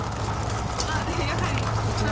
あっやはりその。